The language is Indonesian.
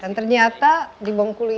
dan ternyata di bengkulu ini